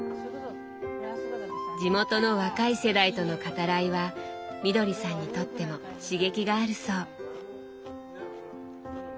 地元の若い世代との語らいはみどりさんにとっても刺激があるそう。